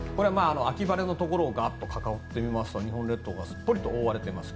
秋晴れのところをガッと囲ってみますと日本列島がすっぽりと覆われています。